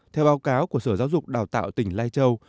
theo báo cáo của sở giáo dục đào tạo tỉnh lai châu